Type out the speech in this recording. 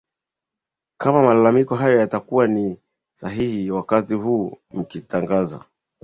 kama malalamiko yao yatakuwa ni sahihi wakati huu mkitangaza